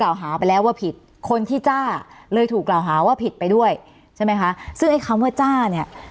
ว่าวันนี้พระเจ้าเนี่ย